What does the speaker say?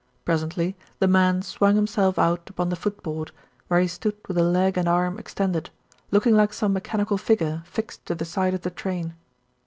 Presently the man swung himself out upon the footboard, where he stood with a leg and arm extended, looking like some mechanical figure fixed to the side of the train.